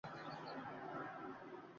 Hamisha yaxshilikni «karomat» qiladi.